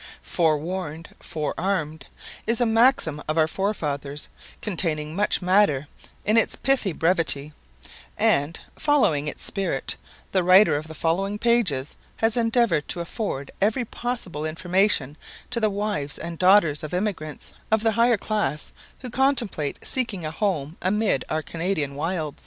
"Forewarned, forearmed," is a maxim of our forefathers, containing much matter in its pithy brevity; and, following its spirit, the writer of the following pages has endeavoured to afford every possible information to the wives and daughters of emigrants of the higher class who contemplate seeking a home amid our Canadian wilds.